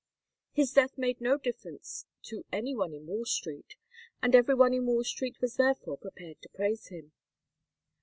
His death made no difference to any one in Wall Street, and every one in Wall Street was therefore prepared to praise him.